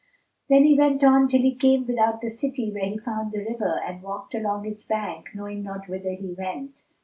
Then he went on, till he came without the city, where he found the river, and walked along its bank, knowing not whither he went.